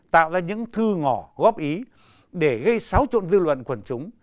tạo ra những thư ngỏ góp ý để gây xáo trộn dư luận quần chúng